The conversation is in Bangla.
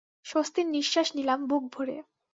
স্বস্তির নিশ্বাস নিলাম বুক ভরে।